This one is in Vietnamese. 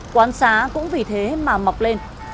quán xá cũng vì thế mà mọc lên